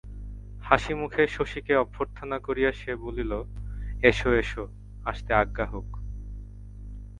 হাসিমুখে শশীকে অভ্যর্থনা করিয়া সে বলিল, এসো এসো, আসতে আজ্ঞা হোক।